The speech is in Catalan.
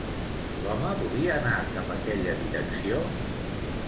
L'home volia anar cap aquella direcció?